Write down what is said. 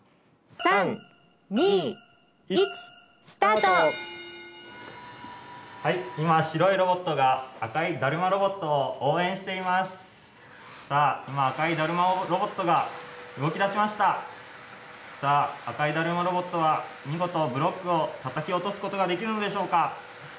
さあ赤いだるまロボットは見事ブロックをたたき落とすことができるのでしょうか？